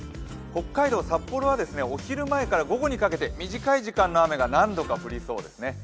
北海道札幌はお昼前から午後にかけて短い時間の雨が何度か降りそうですね。